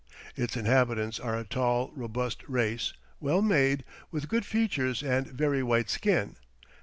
Its inhabitants are a tall, robust race, well made, with good features and very white skin.